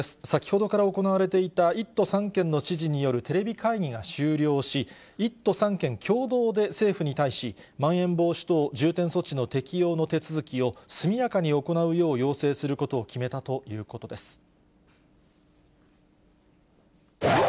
先ほどから行われていた１都３県の知事によるテレビ会議が終了し、１都３県共同で政府に対し、まん延防止等重点措置の適用の手続きを速やかに行うよう要請することを決めたということです。